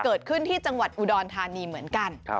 เกิดขึ้นที่จังหวัดอุดรธานีเหมือนกัน